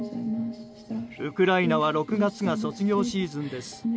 ウクライナは６月が卒業シーズンです。